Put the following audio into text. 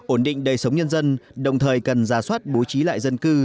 ổn định đời sống nhân dân đồng thời cần ra soát bố trí lại dân cư